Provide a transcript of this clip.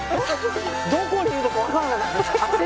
どこにいるのかわからなかった。